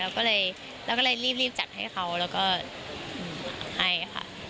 เราก็เลยรีบจัดให้เขาแล้วก็ให้ค่ะ